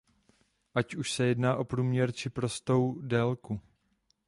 Ať už se jedná o průměr či prostou délku.